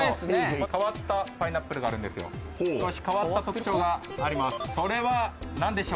変わったパイナップルあるんです少し変わった特徴があります。